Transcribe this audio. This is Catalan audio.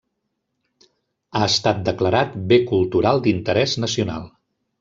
Ha estat declarat bé cultural d'interès nacional.